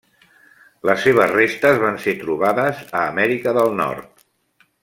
Les seves restes van ser trobades a Amèrica del Nord.